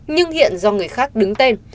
nhưng hiện do người khác đứng tên